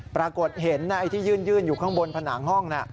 ปรากฏเห็นไอ้ที่ยื่นอยู่ข้างบนผนังห้อง